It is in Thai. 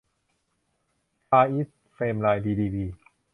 ฟาร์อีสท์ เฟมไลน์ ดีดีบี